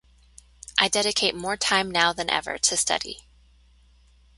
I dedicate more time now than ever to study.